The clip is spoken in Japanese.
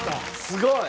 すごい！